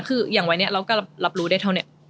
คืออย่างวันนี้เราก็รับรู้ได้เท่านี้